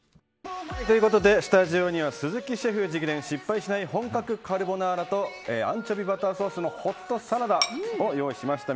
スタジオには鈴木シェフ直伝失敗しない本格カルボナーラとアンチョビバターソースのホットサラダ用意しました。